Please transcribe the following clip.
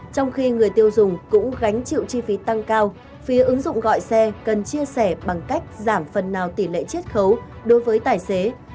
trong khi người tiêu dùng cũng gánh chịu chi phí tăng cao phía ứng dụng gọi xe cần chia sẻ bằng cách giảm phần nào tỷ lệ chết khấu đối với tài xế